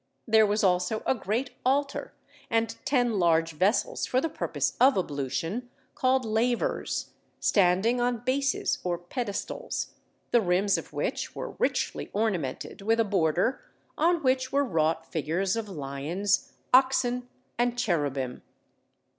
There was also a great altar, and ten large vessels for the purpose of ablution, called lavers, standing on bases or pedestals, the rims of which were richly ornamented with a border, on which were wrought figures of lions, oxen, and cherubim.